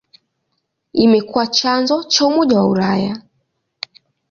Imekuwa chanzo cha Umoja wa Ulaya.